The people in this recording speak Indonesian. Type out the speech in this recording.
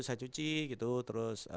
saya cuci gitu terus